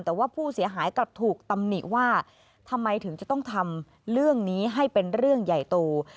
แต่ว่าผู้เสียหายกลับถูกตำหนิว่าทำไมถึงจะต้องทำเรื่องนี้ให้เป็นเรื่องใหญ่โต